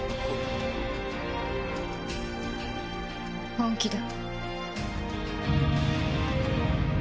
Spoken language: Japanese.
本気だ。